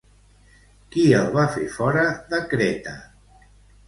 Qui el va fer fora de Creta?